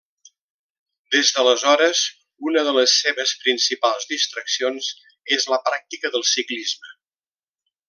Des d'aleshores, una de les seves principals distraccions és la pràctica del ciclisme.